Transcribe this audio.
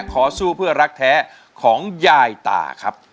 ขอสู้เพื่อรักแท้ของยายตาครับ